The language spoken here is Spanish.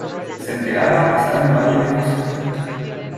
Senterada está en Valle de Fosca.